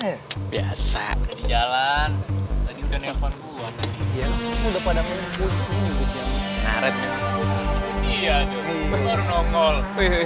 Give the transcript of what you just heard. iya jodoh baru nongol